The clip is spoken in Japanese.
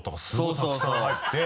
そうそう。